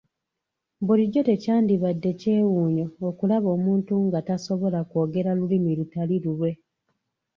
Bulijjo tekyandibadde kyewuunyo okulaba omuntu nga tasobola kwogera lulimi lutali lulwe.